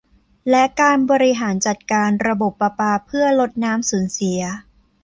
และการบริหารจัดการระบบประปาเพื่อลดน้ำสูญเสีย